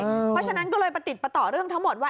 เพราะฉะนั้นก็เลยประติดประต่อเรื่องทั้งหมดว่า